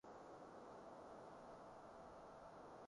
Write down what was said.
只聽到一堆音頻